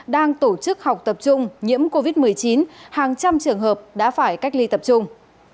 đang tổ chức học tập trung nhiễm covid một mươi chín hàng trăm trường hợp đã phải cách ly tập trung